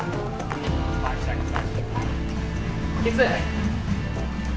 きつい！